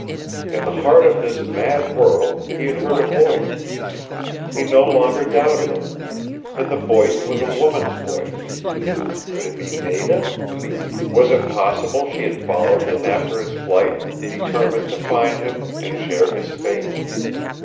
In the heart of this mad world he had heard a voice. He no longer doubted it. And the voice was a woman's voice! Could it be Nada? Was it possible she had followed him after his flight, determined to find him, and share his fate?